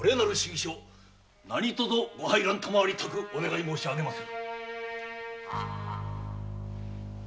書なにとぞご拝覧賜りたくお願い申しあげまする。